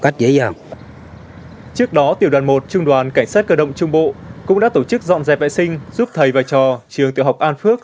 trước đó tiểu đoàn một trung đoàn cảnh sát cơ động trung bộ cũng đã tổ chức dọn dẹp vệ sinh giúp thầy và trò trường tiểu học an phước